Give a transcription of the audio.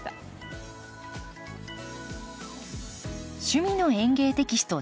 「趣味の園芸」テキスト１０